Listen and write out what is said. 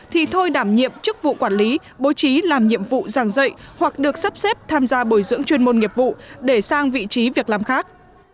thì thôi đảm nhiệm chức vụ quản lý bố trí làm nhiệm vụ giảng dạy hoặc được sắp xếp tham gia bồi dưỡng chuyên môn nghiệp vụ để sang vị trí việc làm khác